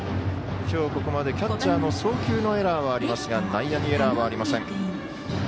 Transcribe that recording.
きょうここまでキャッチャーの送球のエラーはありますが内野にエラーはありません。